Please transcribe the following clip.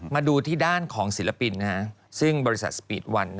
มาดูที่ด้านของศิลปินนะฮะซึ่งบริษัทสปีดวัน